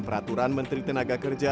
peraturan menteri tenaga kerja